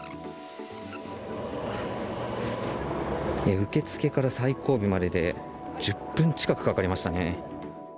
受付から最後尾までで、１０分近くかかりましたね。